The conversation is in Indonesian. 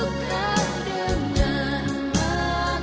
dan barangkali geh salut